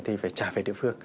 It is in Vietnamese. thì phải trả về địa phương